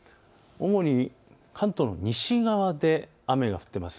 主に関東の西側で雨が降っています。